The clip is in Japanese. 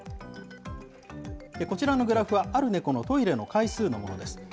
こちらのグラフは、ある猫のトイレの回数のものです。